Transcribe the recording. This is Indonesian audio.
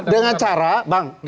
dengan cara bang